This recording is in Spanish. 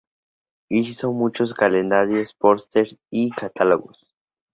Hizo muchos calendarios, pósters y catálogos.